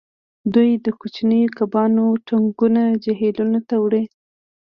دوی د کوچنیو کبانو ټانکونه جهیلونو ته وړي